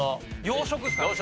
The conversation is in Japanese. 洋食。